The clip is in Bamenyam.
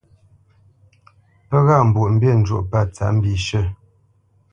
Pə́ ghâʼ Mbwoʼmbî njwōʼ pə̂ tsǎp mbishʉ̂.